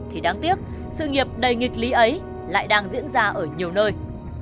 thì đáng tiếc sự nghiệp đầy nghịch lý ấy lại đang diễn ra ở nhiều nơi